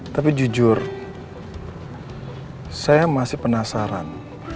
tapi jujur saya masih penasaran